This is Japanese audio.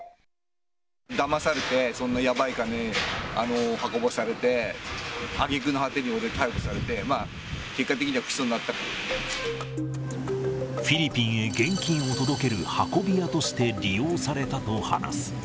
だまされて、そんなやばい金、運ばされて、あげくの果てに俺、逮捕されて、まあ、フィリピンへ現金を届ける運び屋として利用されたと話す。